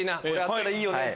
あったらいいよね！